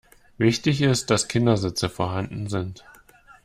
Wichtig ist, dass Kindersitze vorhanden sind.